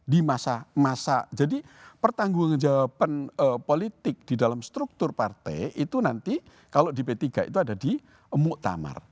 di masa masa jadi pertanggung jawaban politik di dalam struktur partai itu nanti kalau di p tiga itu ada di muktamar